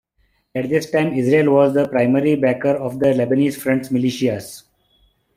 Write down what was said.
At this time, Israel was the primary backer of the Lebanese Front's militias.